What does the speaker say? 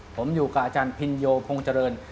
ผมอยู่กับอาจารย์พินโยพงษ์เจริญ